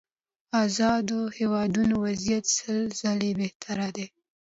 ازادو هېوادونو وضعيت سل ځله بهتره دي.